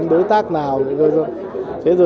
đối tác nào